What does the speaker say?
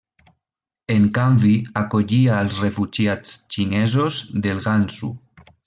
En canvi acollia als refugiats xinesos del Gansu.